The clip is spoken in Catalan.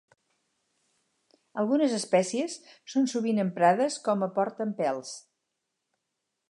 Algunes espècies són sovint emprades com a portaempelts.